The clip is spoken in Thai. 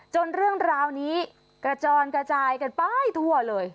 เรื่องราวนี้กระจอนกระจายกันไปทั่วเลย